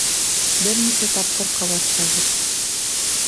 Бер нисә тапҡыр ҡабатлағыҙ.